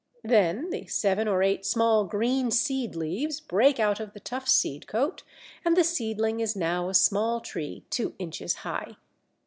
Then the seven or eight small green seed leaves break out of the tough seed coat, and the seedling is now a small tree two inches high.